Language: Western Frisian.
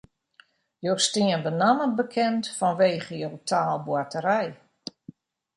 Jo steane benammen bekend fanwege jo taalboarterij.